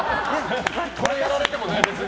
これをやられてもね、別に。